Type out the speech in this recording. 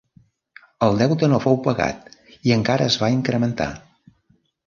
El deute no fou pagat i encara es va incrementar.